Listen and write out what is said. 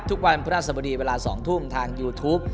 ทุกวันพระราชบดีเวลา๒ทุ่มทางยูทูป